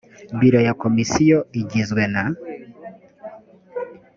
biro ya komisiyo igizwe na…